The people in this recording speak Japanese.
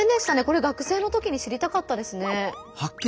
これ学生のときに知りたかったですね。